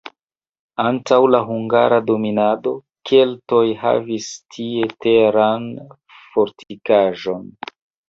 Antaŭ la hungara dominado keltoj havis tie teran fortikaĵon.